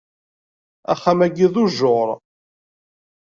Axxam-agi d ujjuṛ.